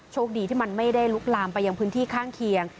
คดีที่มันไม่ได้ลุกลามไปยังพื้นที่ข้างเคียง